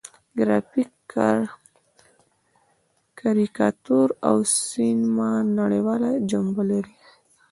ګرافیک، کاریکاتور او سینما نړیواله جنبه لري.